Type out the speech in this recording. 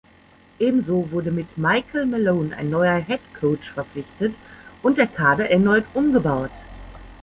Ebenso wurde mit Michael Malone ein neuer Headcoach verpflichtet und der Kader erneut umgebaut.